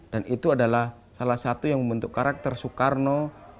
dan itu adalah salah satu yang membentuk karakter sukarno